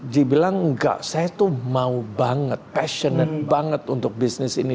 dibilang enggak saya tuh mau banget passionate banget untuk bisnis ini